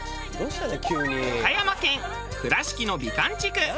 岡山県倉敷の美観地区。